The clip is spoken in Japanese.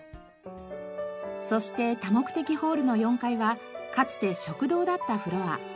そして多目的ホールの４階はかつて食堂だったフロア。